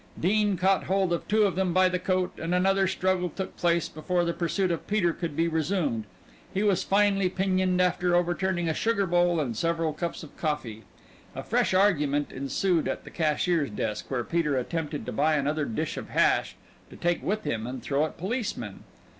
Dean caught hold of two of them by the coat, and another struggle took place before the pursuit of Peter could be resumed; he was finally pinioned after overturning a sugar bowl and several cups of coffee. A fresh argument ensued at the cashier's desk, where Peter attempted to buy another dish of hash to take with him and throw at policemen.